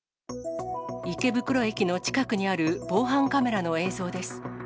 池袋駅の近くにある防犯カメラの映像です。